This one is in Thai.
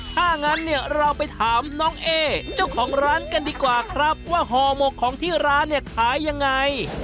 ถ้างั้นเนี่ยเราไปถามน้องเอเจ้าของร้านกันดีกว่าครับว่าห่อหมกของที่ร้านเนี่ยขายยังไง